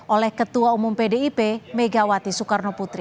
oleh ketua umum pdip megawati soekarnoputri